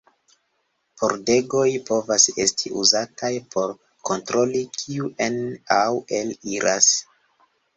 Pordegoj povas esti uzataj por kontroli kiu en- aŭ el-iras.